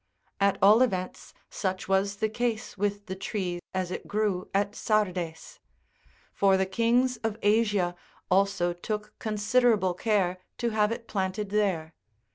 At all events, such was the case with the tree as it grew at Sardes : for the kings of Asia also took con siderable care to have it planted there.